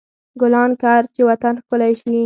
ګلان کر، چې وطن ښکلی شي.